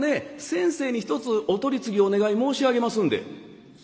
先生にひとつお取り次ぎお願い申し上げますんで」。